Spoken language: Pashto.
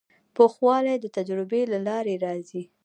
پوخوالی د تجربې له لارې راځي.